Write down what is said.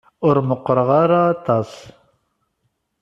Ur meqqṛeɣ ara aṭas.